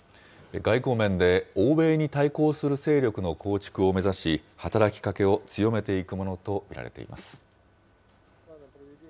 外交面で欧米に対抗する勢力の構築を目指し、働きかけを強めていくものと見られています。